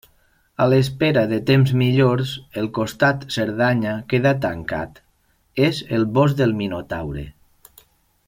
A l'espera de temps millors, el costat Cerdanya queda tancat, és el Bosc del Minotaure.